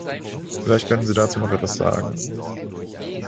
Vielleicht könnten Sie dazu noch etwas sagen?